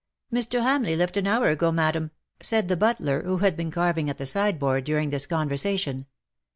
" Mr. Hamleigh left an hour ago, Madam/' said the butler, who had been carving at the side board during this conversation.